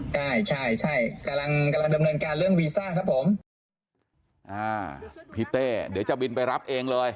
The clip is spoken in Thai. ใช่ใช่ใช่กำลังกำลังดำเนินการเรื่องวีซ่าครับผมอ่าพี่เต้เดี๋ยวจะบินไปรับเองเลย